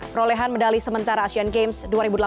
perolehan medali sementara asian games dua ribu delapan belas